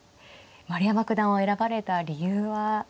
丸山九段を選ばれた理由は。